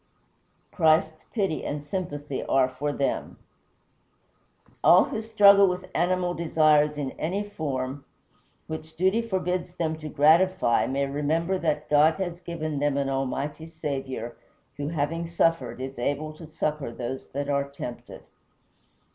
Christ's pity and sympathy are for them. All who struggle with animal desires in any form, which duty forbids them to gratify, may remember that God has given them an Almighty Saviour, who, having suffered, is able to succor those that are tempted.